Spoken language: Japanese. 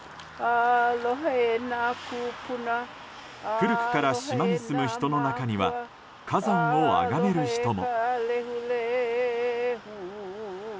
古くから島に住む人の中には火山をあがめる人も。